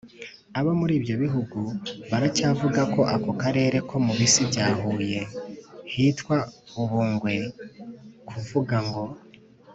abo muri ibyo bihugu baracyavuga ko ako karere ko mu bisi bya huye hitwa ubungwe. kuvuga ngo